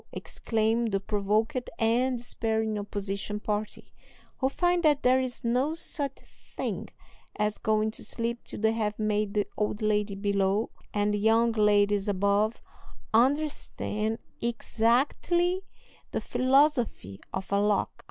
exclaim the provoked and despairing opposition party, who find that there is no such thing as going to sleep till they have made the old lady below and the young ladies above understand exactly the philosophy of a lock.